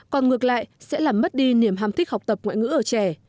còn ngược lại sẽ làm mất đi niềm ham thích học tập ngoại ngữ ở trẻ